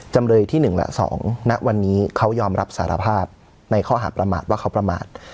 จำเลยที่๑และ๒ณวันนี้เขายอมรับสารภาพในข้อหาประมาทว่าเขาประมาท